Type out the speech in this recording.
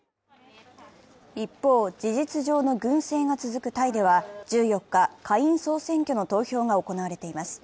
一方、事実上の軍政が続くタイでは１４日、下院総選挙の投票が行われています。